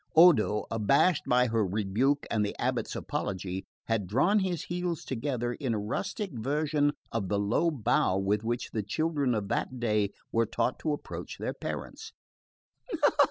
Odo, abashed by her rebuke and the abate's apology, had drawn his heels together in a rustic version of the low bow with which the children of that day were taught to approach their parents.